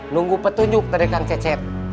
nunggu petunjuk dari kang cecep